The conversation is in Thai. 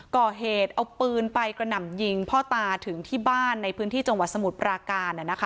ก่อเหตุเอาปืนไปกระหน่ำยิงพ่อตาถึงที่บ้านในพื้นที่จังหวัดสมุทรปราการ